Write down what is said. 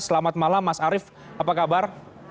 selamat malam mas arief apa kabar